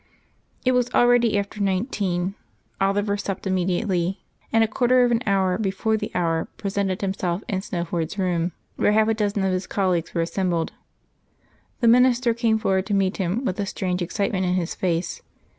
It was already after nineteen; Oliver supped immediately, and a quarter of an hour before the hour presented himself in Snowford's room, where half a dozen of his colleagues were assembled. That minister came forward to meet him, with a strange excitement in his face.